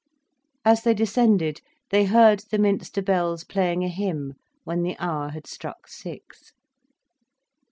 As they descended, they heard the Minster bells playing a hymn, when the hour had struck six.